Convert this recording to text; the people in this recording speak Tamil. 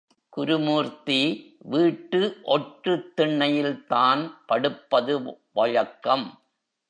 குருமூர்த்தி வீட்டு ஒட்டுத் திண்ணையில்தான் படுப்பது வழக்கம்.